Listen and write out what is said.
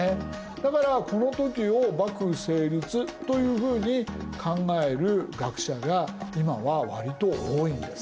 だからこの時を幕府成立というふうに考える学者が今は割と多いんです。